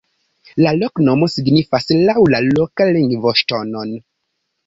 La loknomo signifas laŭ la loka lingvo ŝtonon.